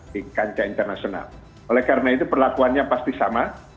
di kancah internasional oleh karena itu perlakuannya pasti sama